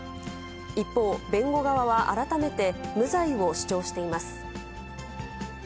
一方、弁護側は改めて無罪を主張しています。